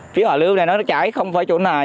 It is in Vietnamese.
phía hòa lương này nó chảy không phải chỗ này